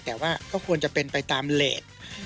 แต่ว่าก็ควรจะเป็นไปตามเลส